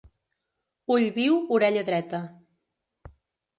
Ull viu, orella dreta.